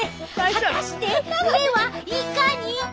果たして目はいかに！